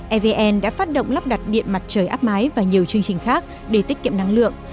evn đã phát động lắp đặt điện mặt trời áp mái và nhiều chương trình khác để tiết kiệm năng lượng